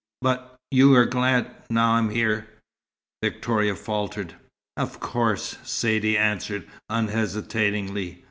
"But you are glad now I'm here?" Victoria faltered. "Of course," Saidee answered unhesitatingly.